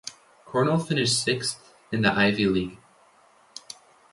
Cornell finished sixth in the Ivy League.